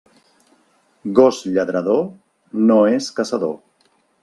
Gos lladrador, no és caçador.